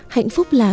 hạnh phúc là